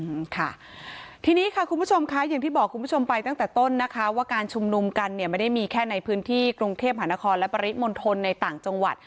อืมค่ะทีนี้ค่ะคุณผู้ชมค่ะอย่างที่บอกคุณผู้ชมไปตั้งแต่ต้นนะคะว่าการชุมนุมกันเนี่ยไม่ได้มีแค่ในพื้นที่กรุงเทพหานครและปริมณฑลในต่างจังหวัด